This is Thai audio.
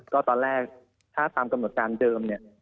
ก็ตอนแรกถ้าตามกำหนดการเดิมเนี่ย